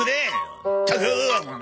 ったく。